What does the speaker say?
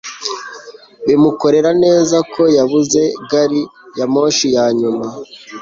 Bimukorera neza ko yabuze gari ya moshi ya nyuma